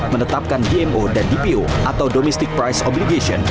menetapkan dmo dan dpo atau domestic price obligation